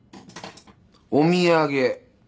お土産。